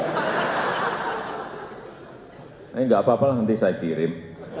ini enggak apa apalah nanti saya kirim